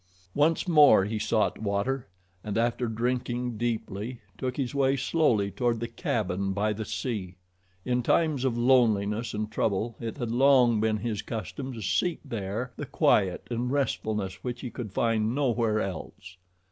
Once more he sought water, and after drinking deeply, took his way slowly toward the cabin by the sea. In times of loneliness and trouble it had long been his custom to seek there the quiet and restfulness which he could find nowhere else.